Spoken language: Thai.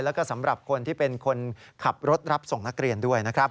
แล้วก็สำหรับคนที่เป็นคนขับรถรับส่งนักเรียนด้วยนะครับ